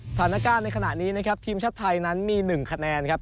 สถานการณ์ในขณะนี้นะครับทีมชาติไทยนั้นมี๑คะแนนครับ